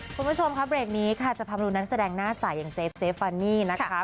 คุณผู้ชมค่ะเบรกนี้ค่ะจะพร้อมดูนักแสดงหน้าสายอย่างเซฟฟันนี่นะคะ